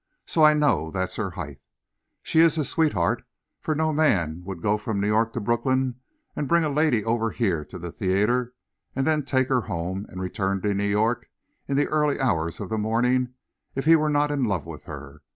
So I know that's her height. She is his sweetheart, for no man would go from New York to Brooklyn and bring a lady over here to the theatre, and then take her home, and return to New York in the early hours of the morning, if he were not in love with her.